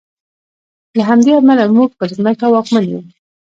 له همدې امله موږ پر ځمکه واکمن یو.